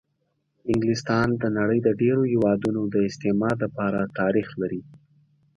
انګلستان د د نړۍ د ډېرو هېوادونو د استعمار دپاره تاریخ لري.